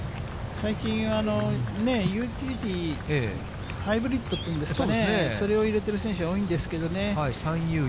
最近、ユーティリティー、ハイブリッドっていうんですかね、それを入れてる選手が多いんですけどね。